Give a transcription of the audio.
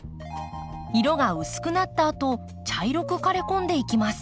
色が薄くなったあと茶色く枯れこんでいきます。